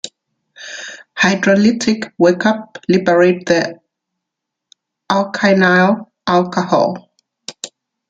Hydrolytic workup liberate the alkynyl alcohol.